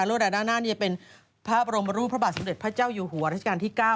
รวดลายด้านหน้านี่จะเป็นพระบรมรู้พระบาทสมเด็จพระเจ้าอยู่หัวราชการที่เก้า